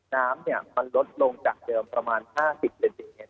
น้ำเนี้ยมันลดลงจากเดิมประมาณห้าสิบเซนติเมตรเนี้ย